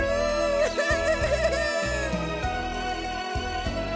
ウフフフ！